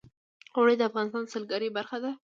اوړي د افغانستان د سیلګرۍ برخه ده.